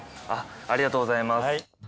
ありがとうございます。